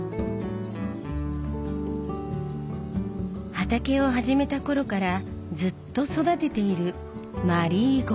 畑を始めた頃からずっと育てている「マリーゴールド」。